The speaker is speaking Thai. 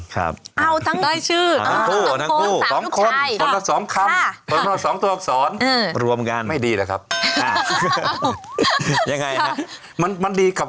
มันยาวเกินไป